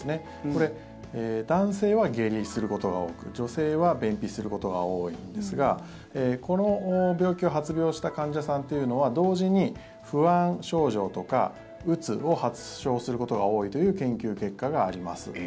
これ、男性は下痢することが多く女性は便秘することが多いんですがこの病気を発病した患者さんというのは同時に不安症状とか、うつを発症することが多いという研究結果があります。